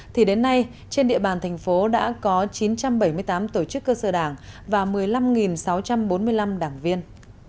thì đến nay trên địa bàn thành phố đã có chín trăm bảy mươi tám tổ chức cơ sở đảng và một mươi năm sáu trăm bốn mươi năm đảng viên